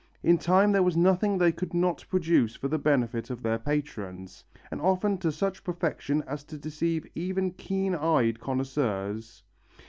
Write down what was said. In time there was nothing they could not produce for the benefit of their patrons, and often to such perfection as to deceive even keen eyed connoisseurs.